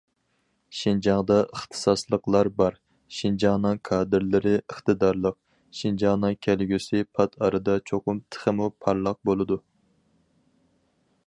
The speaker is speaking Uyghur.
شىنجاڭدا ئىختىساسلىقلار بار، شىنجاڭنىڭ كادىرلىرى ئىقتىدارلىق، شىنجاڭنىڭ كەلگۈسى پات ئارىدا چوقۇم تېخىمۇ پارلاق بولىدۇ.